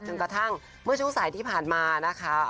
กระทั่งเมื่อช่วงสายที่ผ่านมานะคะ